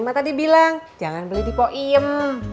mau beli gula merah di pok iyam